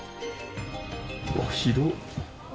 うわっ広っ！